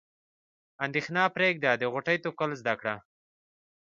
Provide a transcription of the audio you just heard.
اندیښنه پرېږده د غوټۍ توکل زده کړه.